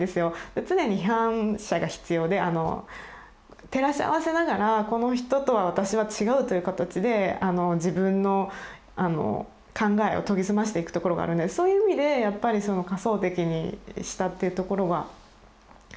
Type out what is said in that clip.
常に批判者が必要であの照らし合わせながらこの人とは私は違うという形で自分の考えを研ぎ澄ましていくところがあるんでそういう意味でやっぱりその仮想敵にしたってところはありますね。